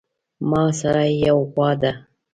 ماسره يوه غوا ده